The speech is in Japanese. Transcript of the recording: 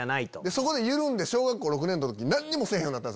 そこで緩んで小学校６年の時何にもせぇへんようになった。